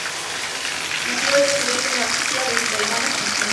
Nativas del sudoeste de Asia desde Taiwán a Filipinas.